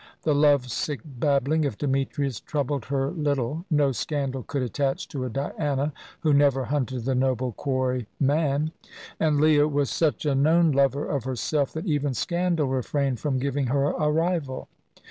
The love sick babbling of Demetrius troubled her little. No scandal could attach to a Diana who never hunted the noble quarry, man; and Leah was such a known lover of herself that even scandal refrained from giving her a rival.